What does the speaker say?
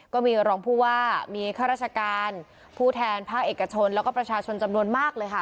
ก็มีรองผู้ว่ามีข้าราชการผู้แทนภาคเอกชนแล้วก็ประชาชนจำนวนมากเลยค่ะ